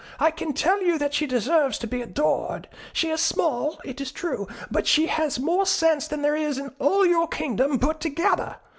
I can tell you that she deserves to be adored. She is small, it is true; but she has more sense than there is in all your kingdom put together.